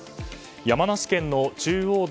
山梨県の中央道